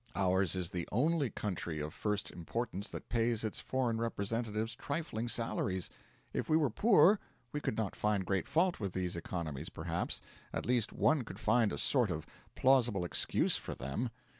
Ours is the only country of first importance that pays its foreign representatives trifling salaries. If we were poor, we could not find great fault with these economies, perhaps at least one could find a sort of plausible excuse for them.